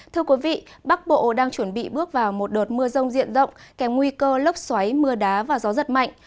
thưa quý vị bắc bộ đang chuẩn bị bước vào một đợt mưa rông diện rộng kèm nguy cơ lốc xoáy mưa đá và gió giật mạnh